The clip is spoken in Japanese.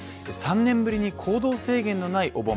３年ぶりに行動制限のないお盆。